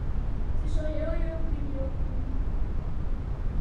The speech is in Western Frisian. It is al heel jong by my opkommen.